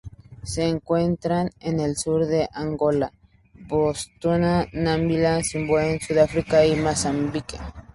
Se encuentra en el sur de Angola, Botsuana, Namibia, Zimbabue, Sudáfrica y Mozambique.